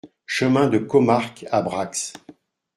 Chemin de Commarque à Brax